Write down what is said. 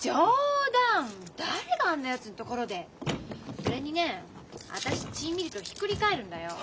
それにね私血ぃ見るとひっくり返るんだよ。